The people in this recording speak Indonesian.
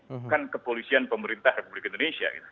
bukan kepolisian pemerintah republik indonesia